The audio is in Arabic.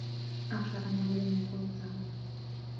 أخشي أنهُ لن يكون سهلاً.